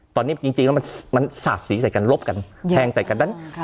ตอนนี้จริงแล้วมันสาดสีใส่กันลบกันแทงใส่กันด้าน